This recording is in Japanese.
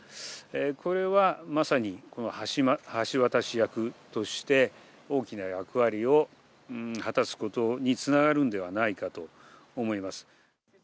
これはまさに、橋渡し役として、大きな役割を果たすことにつながるんではないかと思います。